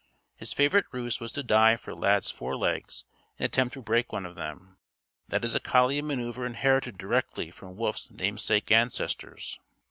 His favorite ruse was to dive for Lad's forelegs and attempt to break one of them. That is a collie manoeuver inherited direct from Wolf's namesake ancestors.